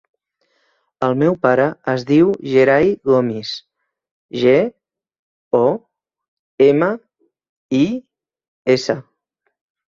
El meu pare es diu Gerai Gomis: ge, o, ema, i, essa.